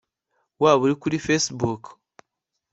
Waba uri kuri Facebook